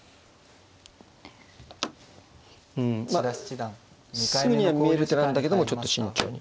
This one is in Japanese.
うんまあすぐに見える手なんだけどもちょっと慎重に。